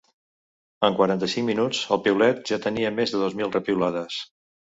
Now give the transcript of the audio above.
En quaranta-cinc minuts, el piulet ja tenia més de dos mil repiulades.